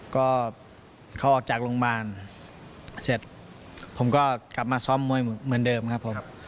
ก็เขาออกจากโรงพยาบาลเสร็จผมก็กลับมาซ้อมมวยเหมือนเดิมครับผม